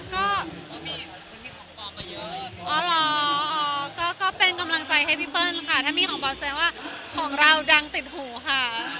อ๋อหรอก็เป็นกำลังใจให้พี่เปิ้ลค่ะถ้ามีของบอสแสนว่าของเราดังติดหูค่ะ